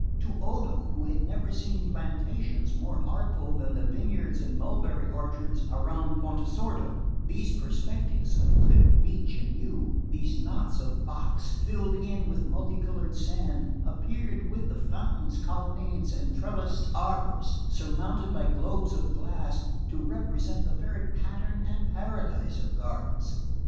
To Odo, who had never seen plantations more artful than the vineyards and mulberry orchards about Pontesordo, these perspectives of clipped beech and yew, these knots of box filled in with multi coloured sand, appeared, with the fountains, colonnades and trellised arbours surmounted by globes of glass, to represent the very pattern and Paradise of gardens.